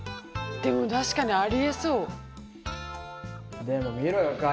でも確かにあり得そう。